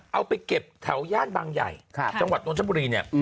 เอาไปเก็บแถวย่านบางใหญ่จังหวัดนทบุรีเนี่ย